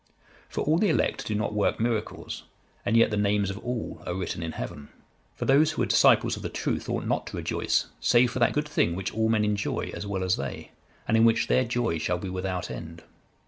For all the elect do not work miracles, and yet the names of all are written in heaven. For those who are disciples of the truth ought not to rejoice, save for that good thing which all men enjoy as well as they, and in which their joy shall be without end.